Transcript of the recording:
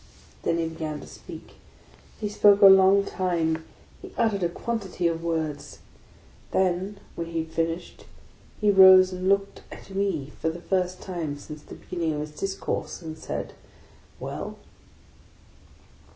Then he began to speak. He spoke a long time; he ut tered a quantity of words. Then, when he had finished, he rose, and looked at me for the first time since the beginning of his discourse, and said "Well?"